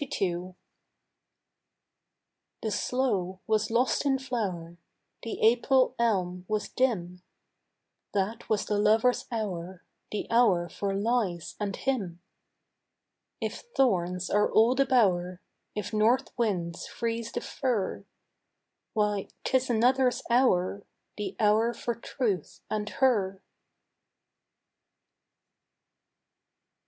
The sloe was lost in flower, The April elm was dim; That was the lover's hour, The hour for lies and him. If thorns are all the bower, If north winds freeze the fir, Why, 'tis another's hour, The hour for truth and her.